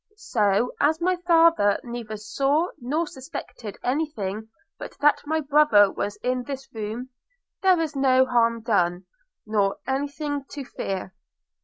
So, as my father neither saw nor suspected any thing but that my brother was in this room, there is no harm done, nor any thing to fear.'